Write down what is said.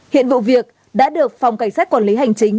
hiện vụ việc đã được phòng cảnh sát quản lý hành chính